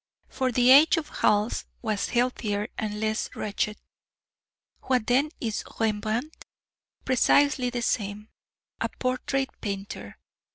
For the age of Hals was healthier and less wretched. What then is Rembrandt? Precisely the same, a portrait painter!